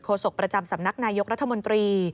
ศกประจำสำนักนายกรัฐมนตรี